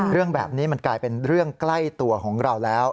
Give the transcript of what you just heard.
เรื่องแบบนี้มันกลายเป็นเรื่องใกล้ตัวของเราแล้ว